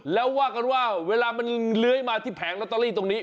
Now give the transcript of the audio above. แล้วว่ากันว่าเวลามันเลื้อยมาที่แผงลอตเตอรี่ตรงนี้